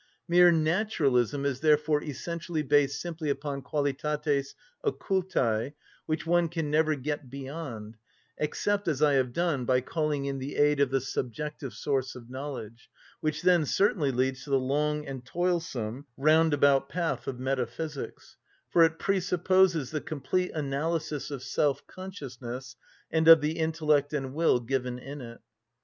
Mere naturalism is therefore essentially based simply upon qualitates occultæ, which one can never get beyond except, as I have done, by calling in the aid of the subjective source of knowledge, which then certainly leads to the long and toilsome round‐about path of metaphysics, for it presupposes the complete analysis of self‐consciousness and of the intellect and will given in it.